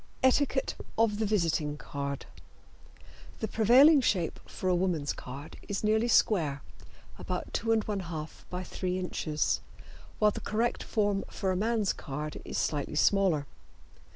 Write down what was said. ETIQUETTE OF THE VISITING CARD. The prevailing shape for a woman's card is nearly square (about 2 1/2 by 3 inches), while the correct form for a man's card is slightly smaller.